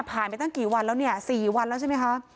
ไปตั้งกี่วันแล้วเนี่ย๔วันแล้วใช่ไหมคะ